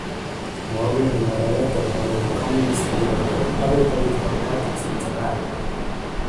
More women are elected under the Communist label than other political parties in Japan.